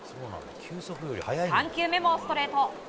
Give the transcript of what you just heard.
３球目もストレート。